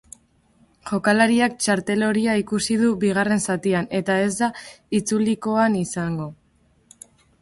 Jokalariak txartel horia ikusi du bigarren zatia, eta ez da itzulikoan izango.